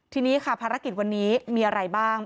ทีนี้ค่ะภารกิจวันนี้มีอะไรบ้าง